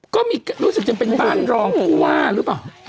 รู้สึกจะเป็นบ้านรองผู้ว่าหรือเปล่า